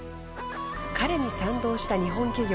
彼に賛同した日本企業